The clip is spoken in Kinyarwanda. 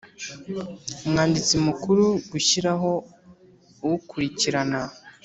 Umwanditsi Mukuru gushyiraho ukurikirana